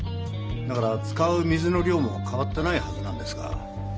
だから使う水の量もかわってないはずなんですが。